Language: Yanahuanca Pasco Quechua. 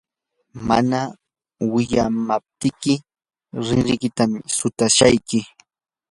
mana wiyamaptiyki rinrikitam sutashayki.